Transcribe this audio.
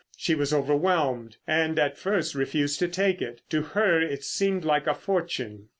She was overwhelmed, and at first refused to take it. To her it seemed like a fortune.